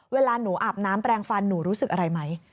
เวลาหนูอาบน้ำแปลงฟันหนูรู้สึกอะไรไหม